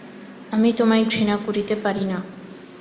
আমি তোমায় ঘৃণা করিতে পারি না।